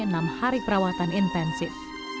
enam hari perawatan intensif